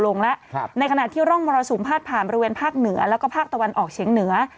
ลงแล้วในขณะที่ร่องมรสุมพาดผ่านบริเวณภาคเหนือแล้วก็ภาคตะวันออกเฉียงเหนือ